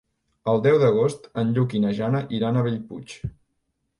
El deu d'agost en Lluc i na Jana iran a Bellpuig.